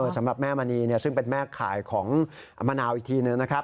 สำหรับแม่มณีซึ่งเป็นแม่ขายของมะนาวอีกทีหนึ่งนะครับ